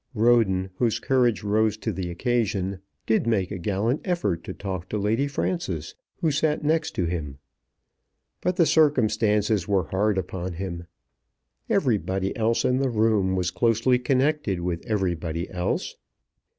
Roden, whose courage rose to the occasion, did make a gallant effort to talk to Lady Frances, who sat next to him. But the circumstances were hard upon him. Everybody else in the room was closely connected with everybody else.